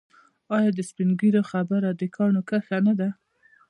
آیا د سپین ږیرو خبره د کاڼي کرښه نه ده؟